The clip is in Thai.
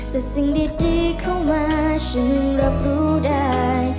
แต่สิ่งดีเข้ามาฉันรับรู้ได้